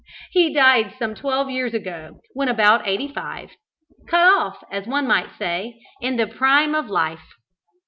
He died some twelve years ago, when about eighty five; cut off, as one may say, in the prime of life.